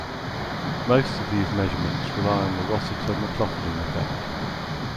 Most of these measurements rely on the Rossiter-McLaughlin effect.